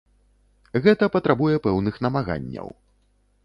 Гэта патрабуе пэўных намаганняў.